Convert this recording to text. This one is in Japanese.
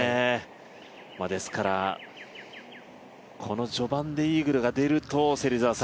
ですからこの序盤でイーグルが出ると。